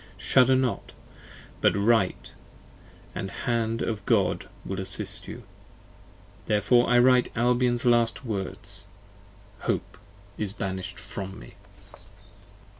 Shudder not, but Write, & the hand of God will assist you ! 17 Therefore I write Albion's last words. Hope is banish'd from me.